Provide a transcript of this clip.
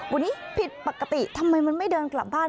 วันนี้ผิดปกติทำไมมันไม่เดินกลับบ้าน